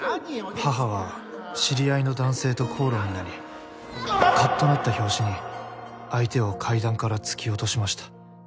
母は知り合いの男性と口論になりカッとなった拍子に相手を階段から突き落としました。